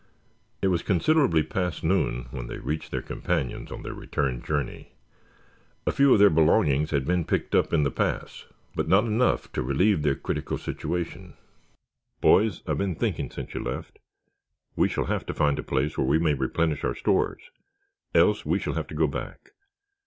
It was considerably past noon when they reached their companions on the return journey. A few of their belongings had been picked up in the pass, but not enough to relieve their critical situation. "Boys, I have been thinking, since you left. We shall have to find a place where we may replenish our stores, else we shall have to go back.